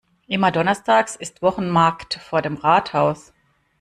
Immer donnerstags ist Wochenmarkt vor dem Rathaus.